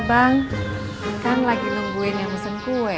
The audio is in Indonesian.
bang bukan lagi nungguin yang mesen kue